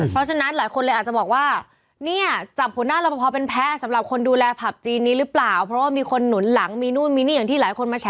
เพราะฉะนั้นหลายคนเลยอาจจะบอกว่า